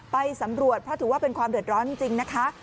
ไปสำรวจเพราะถือว่าเป็นความเดือดร้อนจริงนะคะ